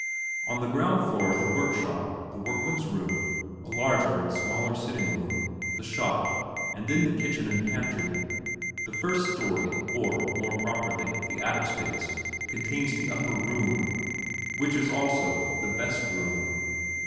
On the ground floor are the workshop, the workmen's room, a larger and a smaller sitting room, the shop, and then the kitchen and pantry; the first story or, more properly, the attic space, contains the "upper room" which is also the "best room."